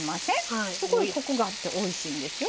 すごいコクがあっておいしいんですよ